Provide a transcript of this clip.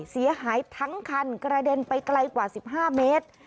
เสียหายทั้งคันกระเด็นไปไกลกว่า๑๕เมตร